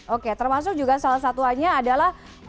oke termasuk juga salah satunya adalah